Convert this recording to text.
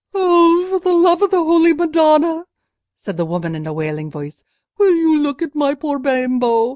"Oh, for the love of the Holy Madonna!" said the woman, in a wailing voice; "will you look at my poor bimbo?